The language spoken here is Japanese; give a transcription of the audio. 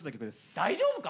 大丈夫か？